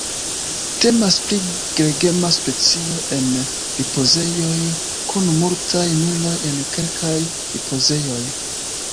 Temas pri gregema specio en ripozejoj kun multaj miloj en kelkaj ripozejoj.